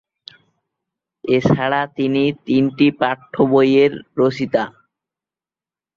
এছাড়া তিনি তিনটি পাঠ্য বইয়ের রচয়িতা।